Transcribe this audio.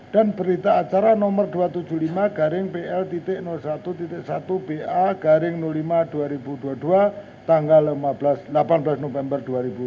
berita acara nomor dua ratus tujuh puluh lima garing pl satu satu ba garing lima dua ribu dua puluh dua tanggal delapan belas november dua ribu dua puluh